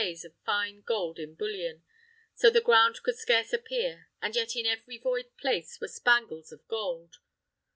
's of fine gold in bullion, so the ground could scarce appear, and yet in every void place were spangles of gold.